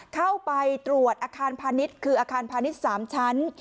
เข้าไปตรวจอาคารพาณิชย์คืออาคารพาณิชย์๓ชั้น